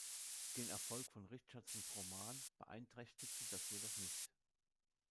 Den Erfolg von Richardsons Roman beeinträchtigte das jedoch nicht.